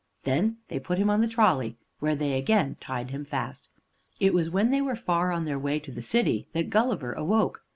They then put him on the trolley, where they again tied him fast. It was when they were far on their way to the city that Gulliver awoke.